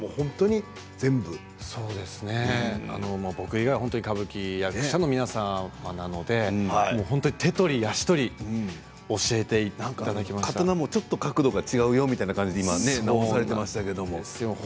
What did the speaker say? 僕以外は歌舞伎役者は皆様なので手取り足取り刀もちょっと角度が違うよみたいな感じで直されていましたけれども。